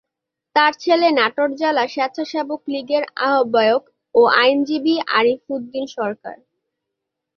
তার ছেলে নাটোর জেলা স্বেচ্ছাসেবক লীগের আহ্বায়ক ও আইনজীবী আরিফ উদ্দিন সরকার।